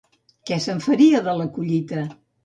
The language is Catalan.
Què se'n faria de la collita?